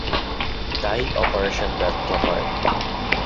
তাই অপারেশন ব্যর্থ হয়।